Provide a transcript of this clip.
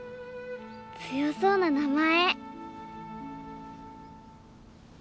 強そうな名前。